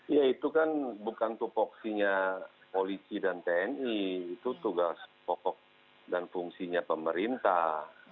ya itu kan bukan tupoksinya polisi dan tni itu tugas pokok dan fungsinya pemerintah